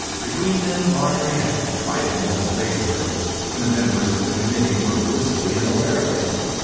Between them Marjorie had quite a normal babyhood, and the members of the committee were blissfully unaware of it.